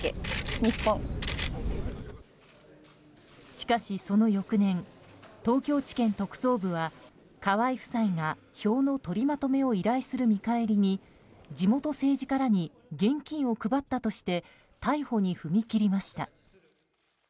しかし、その翌年東京地検特捜部は河井夫妻が票の取りまとめを依頼する見返りに地元政治家らに現金を配ったとして逮捕に踏み切りました。